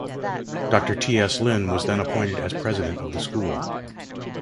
Doctor T. S. Lin was then appointed as president of the school.